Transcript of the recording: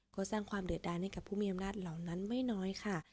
ก็สร้างความเดือดดานให้กับผู้มีอำนาจเหล่านั้นไม่น้อยค่ะ